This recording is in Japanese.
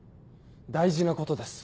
大事なことです。